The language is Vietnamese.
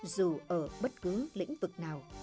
dù ở bất cứ lĩnh vực nào